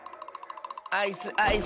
アイスアイス！